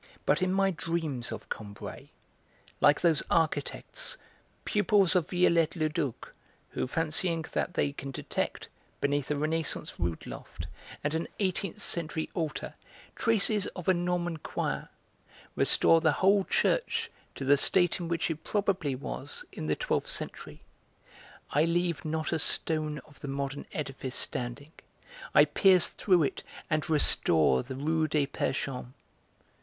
But in my dreams of Combray (like those architects, pupils of Viollet le Duc, who, fancying that they can detect, beneath a Renaissance rood loft and an eighteenth century altar, traces of a Norman choir, restore the whole church to the state in which it probably was in the twelfth century) I leave not a stone of the modern edifice standing, I pierce through it and 'restore' the Rue des Perchamps.